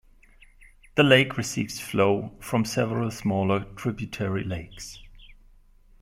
The lake receives flow from several smaller tributary lakes.